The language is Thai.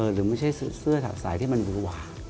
หรือไม่ใช่เสื้อถอดสายที่มันดูหวาน